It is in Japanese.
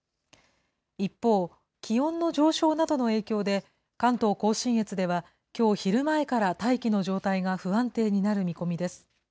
一方、気温の上昇などの影響で、関東甲信越では、きょう昼前から大気の状態が不安定になる見込みです。